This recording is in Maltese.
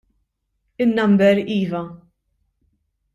In-number iva.